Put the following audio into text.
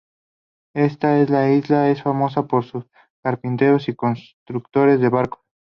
Esta isla es famosa por sus carpinteros y constructores de barcos.